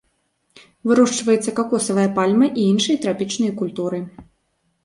Вырошчваецца какосавая пальма і іншыя трапічныя культуры.